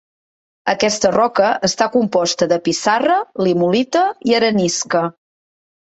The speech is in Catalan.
Aquesta roca està composta de pissarra, limolita i arenisca.